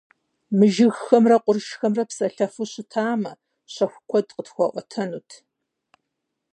Мы жыгхэмрэ къуршхэмрэ псэлъэфу щытамэ, щэху куэд къытхуаӏуэтэнут.